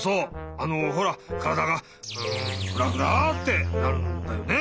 あのほらからだがフラフラってなるんだよね！